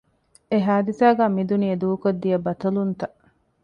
އެ ހާދިސާގައި މި ދުނިޔެ ދޫކޮށް ދިޔަ ބަޠަލުންތައް